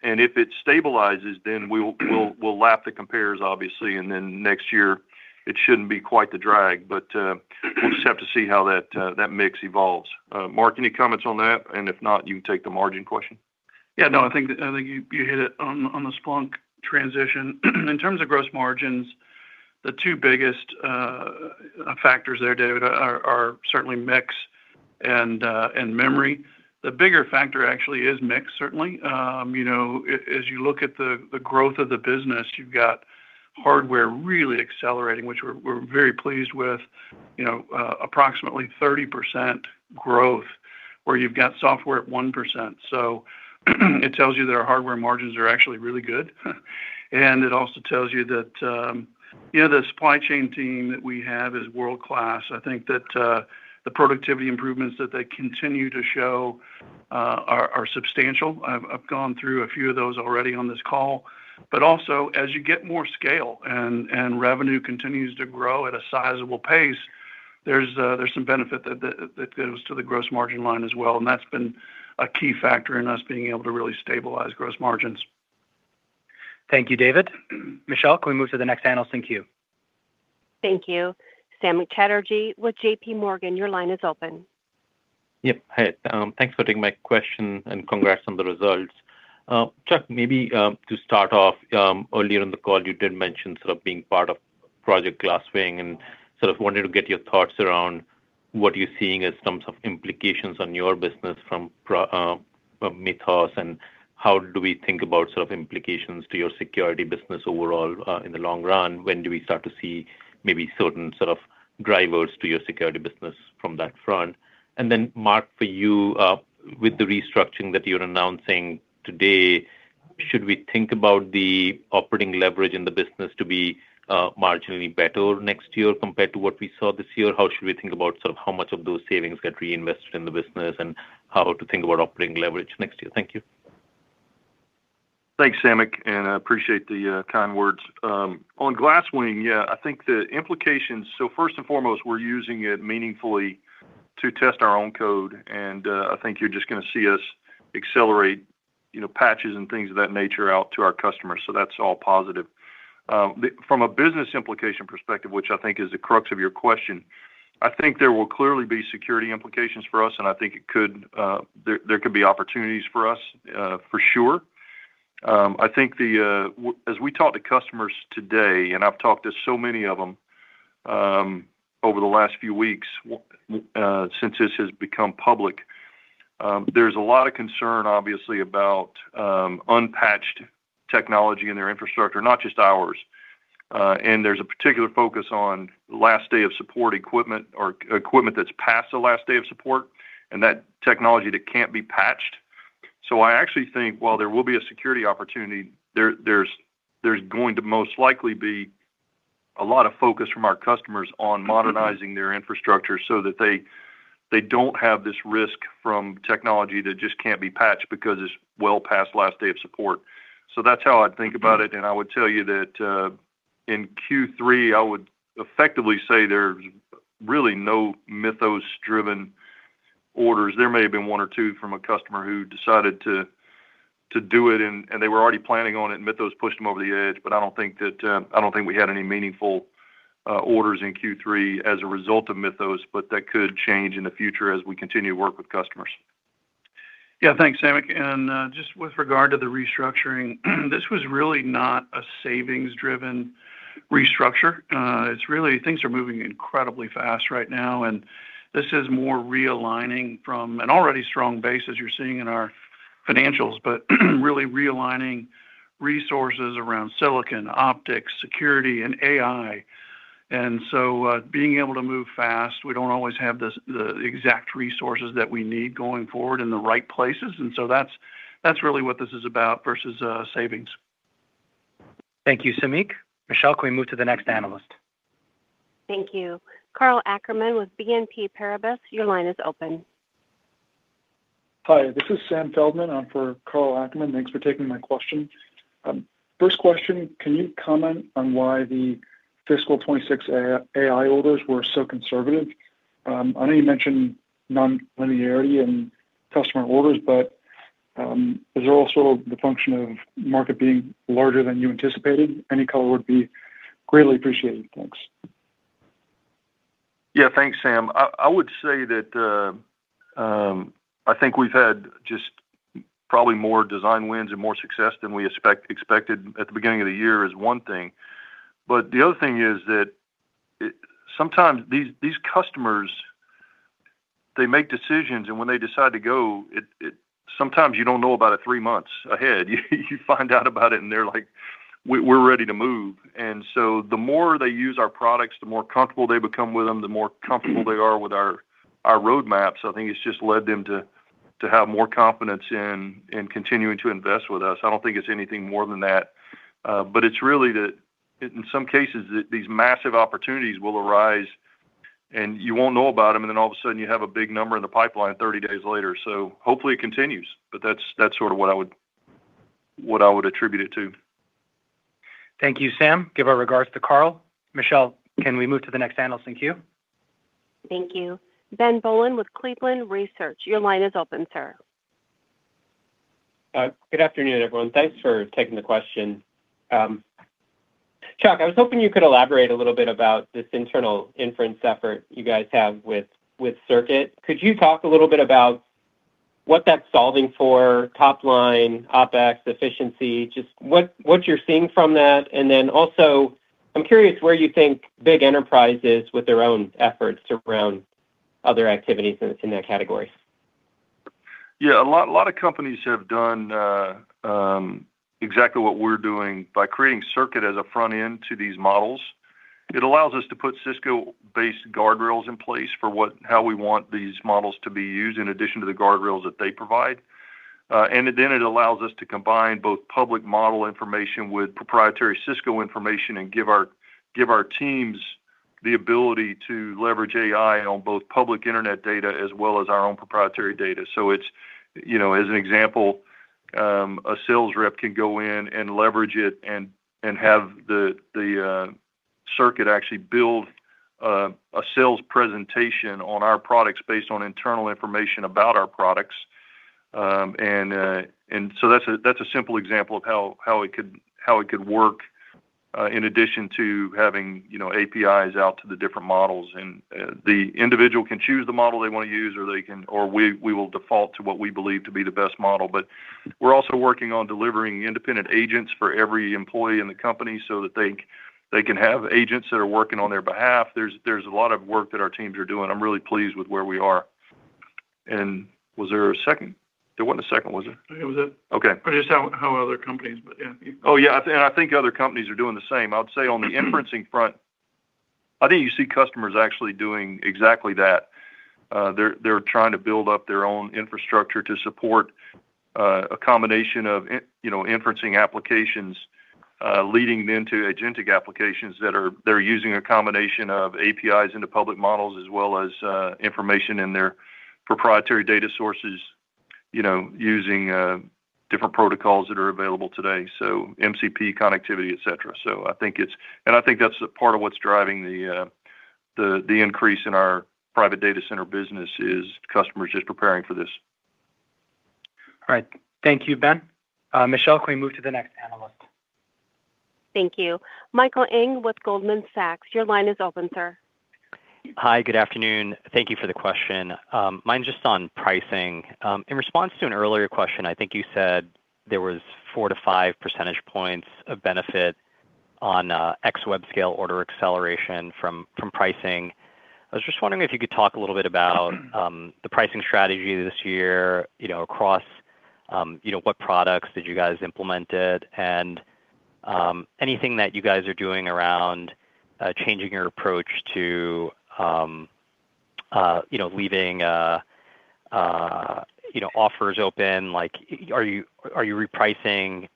If it stabilizes, we'll lap the compares obviously, next year it shouldn't be quite the drag. We'll just have to see how that mix evolves. Mark, any comments on that? If not, you can take the margin question. Yeah, no, I think you hit it on the Splunk transition. In terms of gross margins, the two biggest factors there, David, are certainly mix and memory. The bigger factor actually is mix certainly. You know, as you look at the growth of the business, you've got hardware really accelerating, which we're very pleased with, you know, approximately 30% growth, where you've got software at 1%. It tells you that our hardware margins are actually really good. It also tells you that, you know, the supply chain team that we have is world-class. I think that the productivity improvements that they continue to show are substantial. I've gone through a few of those already on this call. Also, as you get more scale and revenue continues to grow at a sizable pace, there's some benefit that goes to the gross margin line as well, and that's been a key factor in us being able to really stabilize gross margins. Thank you, David. Michelle, can we move to the next analyst in queue? Thank you. Samik Chatterjee with JPMorgan, your line is open. Yep. Hey, thanks for taking my question, and congrats on the results. Chuck, maybe to start off, earlier in the call you did mention sort of being part of Project Glasswing and sort of wanted to get your thoughts around what you're seeing in terms of implications on your business from Mythos, and how do we think about sort of implications to your security business overall in the long run? When do we start to see maybe certain sort of drivers to your security business from that front? Mark, for you, with the restructuring that you're announcing today, should we think about the operating leverage in the business to be marginally better next year compared to what we saw this year? How should we think about sort of how much of those savings get reinvested in the business, and how to think about operating leverage next year? Thank you. Thanks, Samik. I appreciate the kind words. On Glasswing, yeah, I think the implications. First and foremost, we're using it meaningfully to test our own code. I think you're just gonna see us accelerate, you know, patches and things of that nature out to our customers. That's all positive. From a business implication perspective, which I think is the crux of your question, I think there will clearly be security implications for us. I think it could, there could be opportunities for us, for sure. I think as we talk to customers today, I've talked to so many of them over the last few weeks since this has become public, there's a lot of concern obviously about unpatched technology in their infrastructure, not just ours. There's a particular focus on last day of support equipment or equipment that's past the last day of support and that technology that can't be patched. I actually think while there will be a security opportunity, there's going to most likely be a lot of focus from our customers on modernizing their infrastructure so that they don't have this risk from technology that just can't be patched because it's well past last day of support. That's how I'd think about it, I would tell you that in Q3, I would effectively say there's really no Mythos-driven orders. There may have been one or two from a customer who decided to do it, and they were already planning on it, and Mythos pushed them over the edge. I don't think that, I don't think we had any meaningful orders in Q3 as a result of Mythos, but that could change in the future as we continue to work with customers. Yeah. Thanks, Samik. Just with regard to the restructuring, this was really not a savings-driven restructure. It's really things are moving incredibly fast right now, and this is more realigning from an already strong base, as you're seeing in our financials, but really realigning resources around silicon, optics, security, and AI. Being able to move fast, we don't always have the exact resources that we need going forward in the right places. That's really what this is about versus savings. Thank you, Samik. Michelle, can we move to the next analyst? Thank you. Karl Ackerman with BNP Paribas, your line is open. Hi, this is Sam Feldman. I'm for Karl Ackerman. Thanks for taking my question. First question, can you comment on why the fiscal 2026 AI orders were so conservative? I know you mentioned non-linearity in customer orders, is it also the function of market being larger than you anticipated? Any color would be greatly appreciated. Thanks. Thanks, Sam. I would say that I think we've had probably more design wins and more success than we expected at the beginning of the year is one thing. The other thing is that sometimes these customers, they make decisions, and when they decide to go, it sometimes you don't know about it three months ahead. You find out about it, and they're like, "We're ready to move." The more they use our products, the more comfortable they become with them, the more comfortable they are with our roadmaps. I think it's just led them to have more confidence in continuing to invest with us. I don't think it's anything more than that. It's really that in some cases, these massive opportunities will arise, and you won't know about them, and then all of a sudden you have a big number in the pipeline 30 days later. Hopefully it continues, but that's sort of what I would, what I would attribute it to. Thank you, Sam. Give our regards to Karl. Michelle, can we move to the next analyst in queue? Thank you. Ben Bollin with Cleveland Research. Your line is open, sir. Good afternoon, everyone. Thanks for taking the question. Chuck, I was hoping you could elaborate a little bit about this internal inference effort you guys have with Circuit. Could you talk a little bit about what that's solving for, top line, OpEx, efficiency, just what you're seeing from that? Then also, I'm curious where you think big enterprise is with their own efforts around other activities that's in that category. Yeah. A lot of companies have done exactly what we're doing by creating Circuit as a front end to these models. It allows us to put Cisco-based guardrails in place for how we want these models to be used in addition to the guardrails that they provide. It allows us to combine both public model information with proprietary Cisco information and give our teams the ability to leverage AI on both public internet data as well as our own proprietary data. It's, you know, as an example, a sales rep can go in and leverage it and have the Circuit actually build a sales presentation on our products based on internal information about our products. That's a, that's a simple example of how it could, how it could work, in addition to having, you know, APIs out to the different models. The individual can choose the model they want to use or we will default to what we believe to be the best model. We're also working on delivering independent agents for every employee in the company so that they can have agents that are working on their behalf. There's a lot of work that our teams are doing. I'm really pleased with where we are. Was there a second? There wasn't a second, was there? It was it. Okay. Just how other companies, yeah. Oh, yeah. I think other companies are doing the same. I would say on the inferencing front, I think you see customers actually doing exactly that. They're trying to build up their own infrastructure to support a combination of you know, inferencing applications, leading then to agentic applications they're using a combination of APIs into public models as well as information in their proprietary data sources, you know, using different protocols that are available today. MCP connectivity, et cetera. I think that's a part of what's driving the increase in our private data center business is customers just preparing for this. All right. Thank you, Ben. Michelle, can we move to the next analyst? Thank you. Michael Ng with Goldman Sachs, your line is open, sir. Hi, good afternoon. Thank you for the question. Mine's just on pricing. In response to an earlier question, I think you said there was 4 to 5 percentage points of benefit on ex-web scale order acceleration from pricing. I was just wondering if you could talk a little bit about the pricing strategy this year, you know, across what products that you guys implemented and anything that you guys are doing around changing your approach to leaving offers open. Like, are you repricing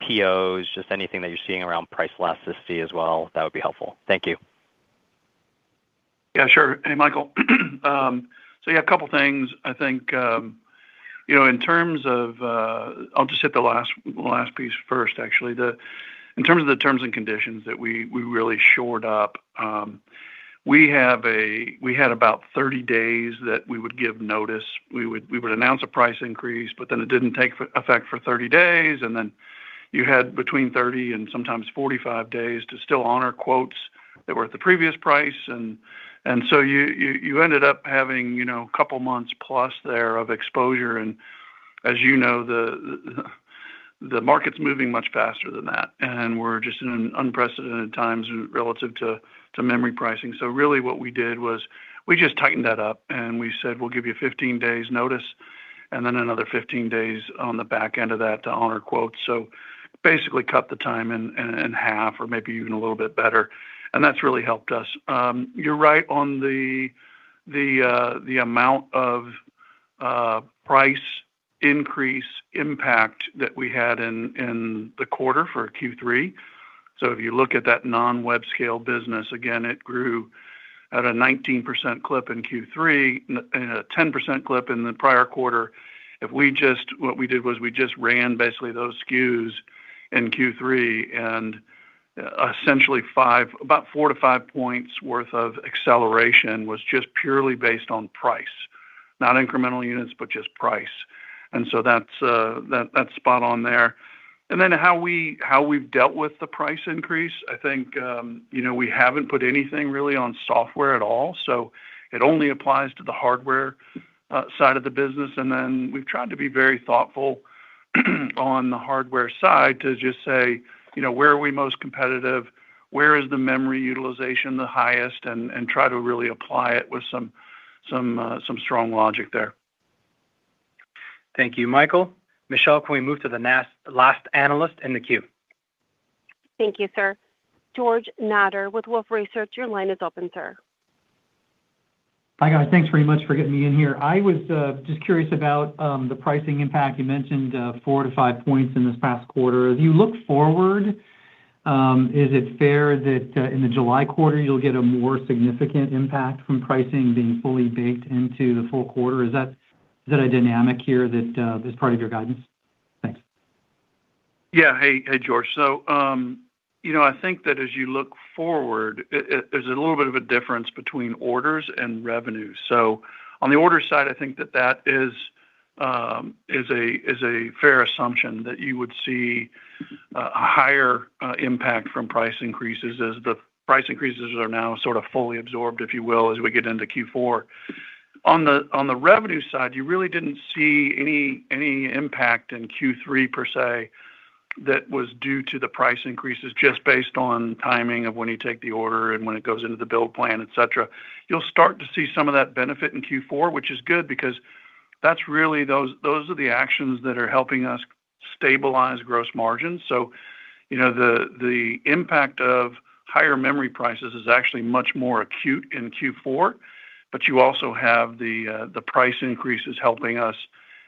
POs? Just anything that you're seeing around price elasticity as well, that would be helpful. Thank you. Yeah, sure. Hey, Michael. A couple of things. I think, you know, in terms of, I'll just hit the last piece first, actually. In terms of the terms and conditions that we really shored up, we had about 30 days that we would give notice. We would announce a price increase, but then it didn't take effect for 30 days. Then you had between 30 and sometimes 45 days to still honor quotes that were at the previous price. You ended up having, you know, a couple of months plus there of exposure. As you know, the market's moving much faster than that, and we're just in unprecedented times relative to memory pricing. Really what we did was we just tightened that up, and we said, "We'll give you 15 days notice and then another 15 days on the back end of that to honor quotes." Basically cut the time in half or maybe even a little bit better. That's really helped us. You're right on the amount of price increase impact that we had in the quarter for Q3. If you look at that non-web scale business, again, it grew at a 19% clip in Q3 and a 10% clip in the prior quarter. What we did was we just ran basically those SKUs in Q3, and essentially about 4-5 points worth of acceleration was just purely based on price. Not incremental units, but just price. That's spot on there. How we've dealt with the price increase, I think, you know, we haven't put anything really on software at all, so it only applies to the hardware side of the business. We've tried to be very thoughtful on the hardware side to just say, you know, where are we most competitive, where is the memory utilization the highest, and try to really apply it with some strong logic there. Thank you, Michael. Michelle, can we move to the last analyst in the queue? Thank you, sir. George Notter with Wolfe Research. Your line is open, sir. Hi, guys. Thanks very much for getting me in here. I was just curious about the pricing impact. You mentioned 4 to 5 points in this past quarter. As you look forward, is it fair that in the July quarter, you'll get a more significant impact from pricing being fully baked into the full quarter? Is that a dynamic here that is part of your guidance? Thanks. Hey, George. You know, I think that as you look forward, there's a little bit of a difference between orders and revenues. On the order side, I think that that is a fair assumption that you would see a higher impact from price increases as the price increases are now sort of fully absorbed, if you will, as we get into Q4. On the revenue side, you really didn't see any impact in Q3 per se that was due to the price increases just based on timing of when you take the order and when it goes into the build plan, et cetera. You'll start to see some of that benefit in Q4, which is good because that's really those are the actions that are helping us stabilize gross margins. You know, the impact of higher memory prices is actually much more acute in Q4, but you also have the price increases helping us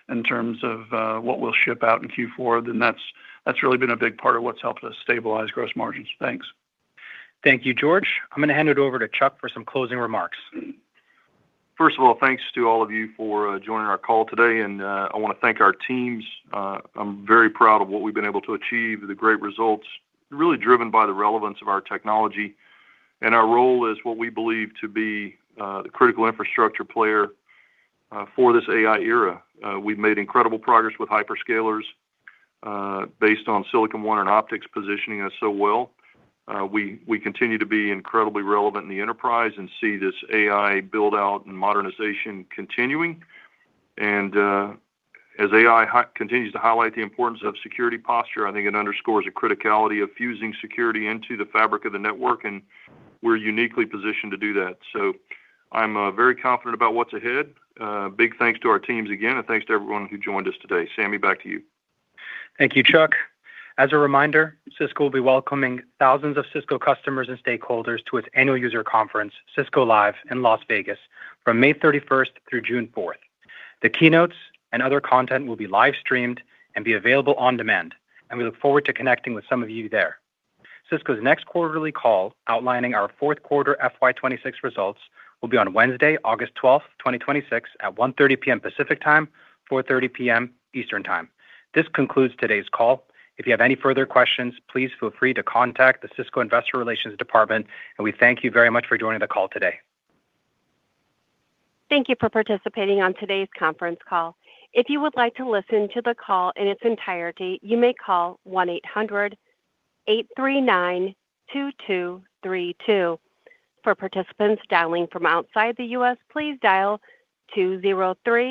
in terms of what we'll ship out in Q4, then that's really been a big part of what's helped us stabilize gross margins. Thanks. Thank you, George. I'm going to hand it over to Chuck for some closing remarks. First of all, thanks to all of you for joining our call today, and I wanna thank our teams. I'm very proud of what we've been able to achieve, the great results, really driven by the relevance of our technology and our role as what we believe to be the critical infrastructure player for this AI era. We've made incredible progress with hyperscalers based on Silicon One and optics positioning us so well. We continue to be incredibly relevant in the enterprise and see this AI build-out and modernization continuing. As AI continues to highlight the importance of security posture, I think it underscores the criticality of fusing security into the fabric of the network, and we're uniquely positioned to do that. I'm very confident about what's ahead. Big thanks to our teams again, and thanks to everyone who joined us today. Sami, back to you. Thank you, Chuck. As a reminder, Cisco will be welcoming thousands of Cisco customers and stakeholders to its annual user conference, Cisco Live, in Las Vegas from May 31st through June ``4th. The keynotes and other content will be live streamed and be available on demand. We look forward to connecting with some of you there. Cisco's next quarterly call outlining our fourth quarter FY 2026 results will be on Wednesday, August 12th, 2026 at 1:30 P.M. Pacific Time, 4:30 P.M. Eastern Time. This concludes today's call. If you have any further questions, please feel free to contact the Cisco investor relations department. We thank you very much for joining the call today. Thank you for participating on today's conference call. If you would like to listen to the call in its entirety, you may call 18008392232. For participants dialing from outside the US, please dial 203